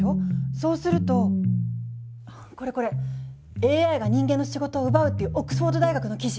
そうするとこれこれ！「ＡＩが人間の仕事を奪う⁉」っていうオックスフォード大学の記事！